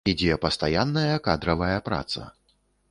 Ідзе пастаянная кадравая праца.